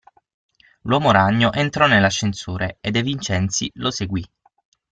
L'uomo ragno entrò nell'ascensore e De Vincenzi lo seguì.